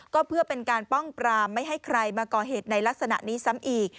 ก็เพื่อเป็นการป้องปรามไม่ให้ใครมาก่อเหตุในลักษณะนี้ซ้ำอีก